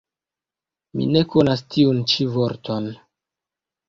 Mi ne konas tiun ĉi vorton.